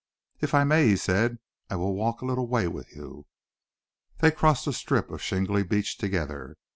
"If I may," he said, "I will walk a little way with you." They crossed the strip of shingly beach together.